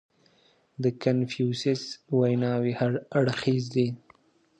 • د کنفوسیوس ویناوې هر اړخیزې دي.